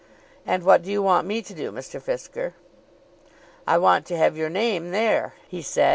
"And what do you want me to do, Mr. Fisker?" "I want to have your name there," he said.